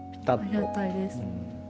ありがたいです。